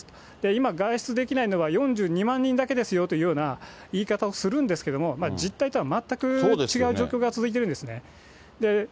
今、外出できないのは４２万人だけですというような言い方をするんですけれども、実態とは全く違う状況が続いてるんですね。